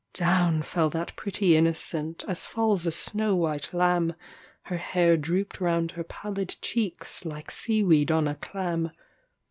Down fell that pretty innocent, as falls a snow white lamb, Her hair drooped round her pallid cheeks, like sea weed on a clam.